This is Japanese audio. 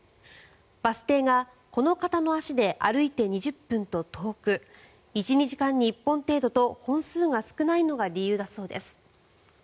バス停がこの方の足で歩いて２０分と遠く１２時間に１本程度と本数が少ないのが要因だそうです。